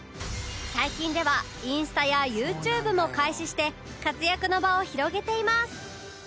最近ではインスタや ＹｏｕＴｕｂｅ も開始して活躍の場を広げています